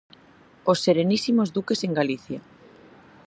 Os serenísimos duques en Galicia.